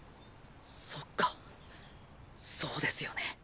そっかそうですよね。